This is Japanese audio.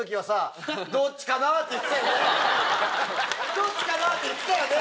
「どっちかな」って言ってたよね？